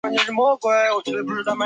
疾病造成的眼部问题需额外治疗。